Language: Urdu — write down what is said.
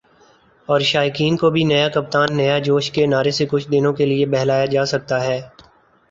اور شائقین کو بھی "نیا کپتان ، نیا جوش" کے نعرے سے کچھ دنوں کے لیے بہلایا جاسکتا ہے